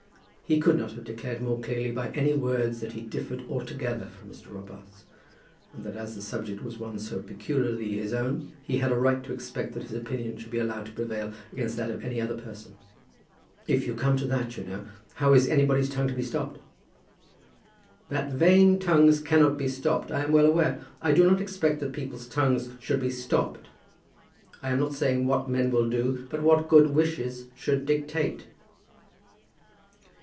He could not have declared more clearly by any words that he differed altogether from Mr. Robarts, and that as the subject was one so peculiarly his own he had a right to expect that his opinion should be allowed to prevail against that of any other person. "If you come to that, you know, how is anybody's tongue to be stopped?" "That vain tongues cannot be stopped, I am well aware. I do not expect that people's tongues should be stopped. I am not saying what men will do, but what good wishes should dictate."